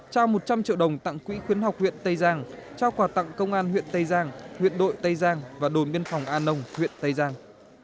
trao một trăm linh triệu đồng tặng quỹ khuyến học huyện tây giang trao quà tặng công an huyện tây giang huyện đội tây giang và đồn biên phòng an nông huyện tây giang